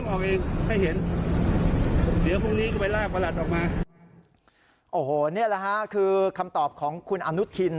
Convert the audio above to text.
โอ้โหนี่แหละค่ะคือคำตอบของคุณอนุทิน